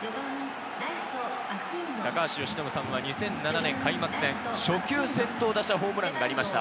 高橋由伸さんは２００７年開幕戦初球先頭打者ホームランがありました。